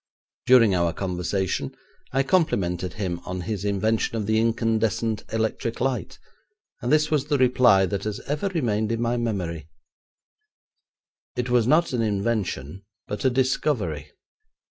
During our conversation I complimented him on his invention of the incandescent electric light, and this was the reply that has ever remained in my memory: 'It was not an invention, but a discovery.